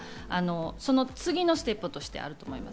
その次のステップとしてあると思います。